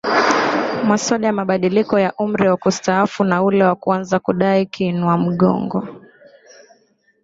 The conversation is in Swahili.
maswada ya mabadiliko ya umri wa kustaafu na ule wakuanza kudai kiinua mgongo